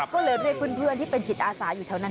ก็เลยเรียกเพื่อนที่เป็นจิตอาสาอยู่แถวนั้น